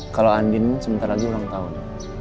kalau andin sebentar lagi ulang tahun